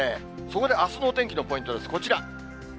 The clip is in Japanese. そこであすのお天気のポイントです、こちら。